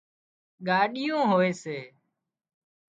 ڳاڏيون هوئي سي